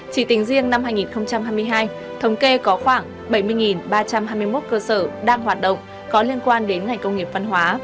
chỉ tính riêng năm hai nghìn hai mươi hai thống kê có khoảng bảy mươi ba trăm hai mươi một cơ sở đang hoạt động có liên quan đến ngành công nghiệp văn hóa